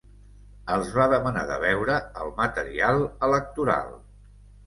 Els va demanar de veure el material electoral.